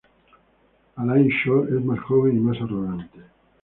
Alan Shore es más joven y más arrogante.